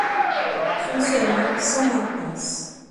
Fonctionnement sans maintenance.